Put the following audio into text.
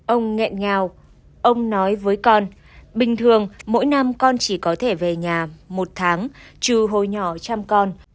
ông nghẹn ngào ông nói với con bình thường mỗi năm con chỉ có thể về nhà một tháng trừ hồi nhỏ trăm con